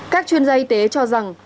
các chuyên gia y tế cho rằng